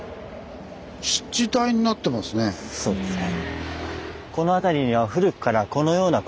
そうですね。